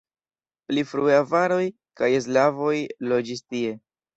Pli frue avaroj kaj slavoj loĝis tie.